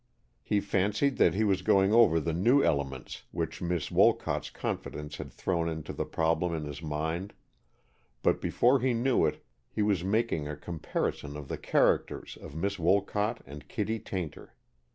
He fancied that he was going over the new elements which Miss Wolcott's confidence had thrown into the problem in his mind, but before he knew it he was making a comparison of the characters of Miss Wolcott and Kittie Tayntor.